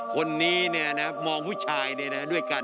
คนนี้ดูกับผู้ชายด้วยกัน